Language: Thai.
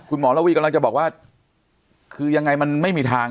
หมอระวีกำลังจะบอกว่าคือยังไงมันไม่มีทาง